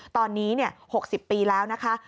ตอนนี้๖๐ปีแล้วนะคะ